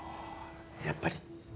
やっぱり？